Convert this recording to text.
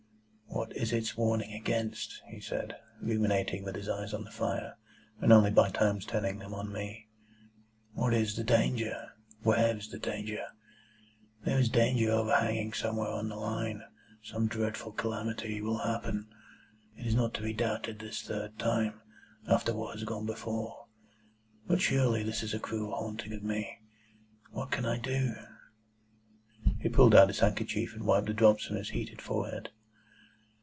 "What is its warning against?" he said, ruminating, with his eyes on the fire, and only by times turning them on me. "What is the danger? Where is the danger? There is danger overhanging somewhere on the Line. Some dreadful calamity will happen. It is not to be doubted this third time, after what has gone before. But surely this is a cruel haunting of me. What can I do?" He pulled out his handkerchief, and wiped the drops from his heated forehead.